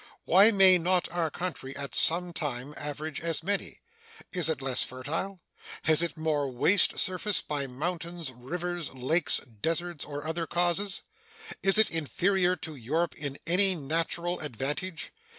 Why may not our country at some time average as many? Is it less fertile? Has it more waste surface by mountains, rivers, lakes, deserts, or other causes? Is it inferior to Europe in any natural advantage?